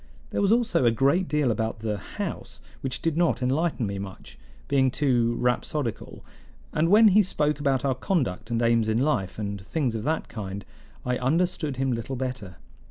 There was also a great deal about the house, which did not enlighten me much, being too rhapsodical, and when he spoke about our conduct and aims in life, and things of that kind, I understood him little better.